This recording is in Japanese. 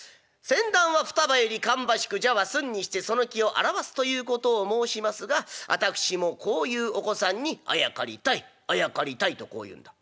栴檀は双葉より芳しく蛇は寸にしてその気をあらわすということを申しますが私もこういうお子さんにあやかりたいあやかりたい』とこう言うんだ。